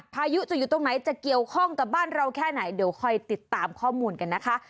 พายุจะอยู่ตรงไหนจะเกี่ยวข้องกับบ้านเราแค่ไหนเดี๋ยวคอยติดตามข้อมูลกันนะคะ